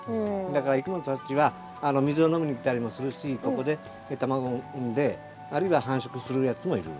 だからいきものたちは水を飲みにきたりもするしここで卵を産んであるいは繁殖するやつもいる。